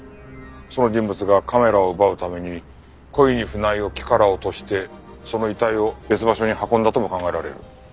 その人物がカメラを奪うために故意に船井を木から落としてその遺体を別場所に運んだとも考えられる。